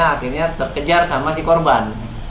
akhirnya terkejar sama si korban